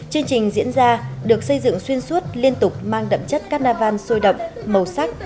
chương trình diễn ra được xây dựng xuyên suốt liên tục mang đậm chất carnival sôi động màu sắc